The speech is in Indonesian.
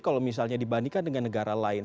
kalau misalnya dibandingkan dengan negara lain